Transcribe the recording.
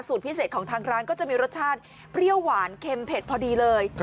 พิเศษของทางร้านก็จะมีรสชาติเปรี้ยวหวานเค็มเผ็ดพอดีเลย